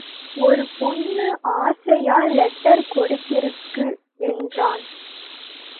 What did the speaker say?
ஒரு பொண்ணு ஆசையா லெட்டர் கொடுத்திருக்கு என்றான்.